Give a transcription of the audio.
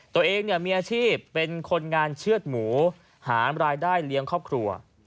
ตัวเองมีอาชีพเป็นคนงานเชื่อดหมูหารายได้เลี้ยงครอบครัว